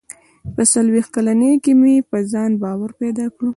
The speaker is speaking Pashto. • په څلوېښت کلنۍ کې مې په ځان باور پیدا کړ.